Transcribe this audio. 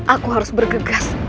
aku harus bergegas